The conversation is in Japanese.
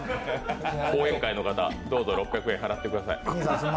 後援会の方、どうぞ６００円払ってください。